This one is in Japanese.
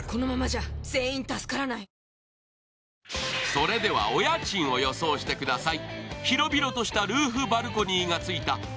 それではお家賃を予想してください。